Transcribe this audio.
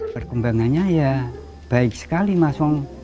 perkembangannya ya baik sekali mas